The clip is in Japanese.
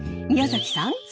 宮崎さん